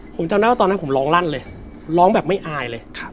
ผมจำได้ว่าตอนนั้นผมร้องลั่นเลยร้องแบบไม่อายเลย